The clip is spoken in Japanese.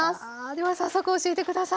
では早速教えて下さい。